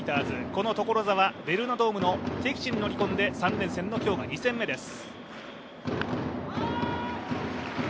この所沢ベルーナドームの敵地に乗り込んで３連戦の今日が２戦目です。